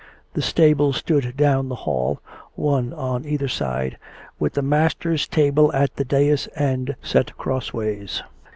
The tables stood down the hall, one on either side, with the master's table at the dais end set cross ways.